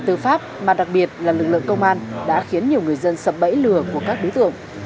tư pháp mà đặc biệt là lực lượng công an đã khiến nhiều người dân sập bẫy lừa của các đối tượng